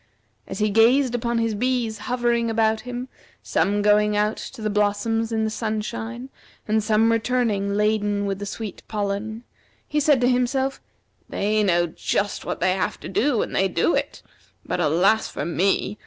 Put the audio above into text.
As he gazed upon his bees hovering about him, some going out to the blossoms in the sunshine, and some returning laden with the sweet pollen, he said to himself, "They know just what they have to do, and they do it; but alas for me!